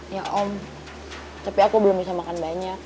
ya om tapi aku belum bisa makan banyak